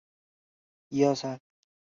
拉巴斯蒂德莱韦屈埃人口变化图示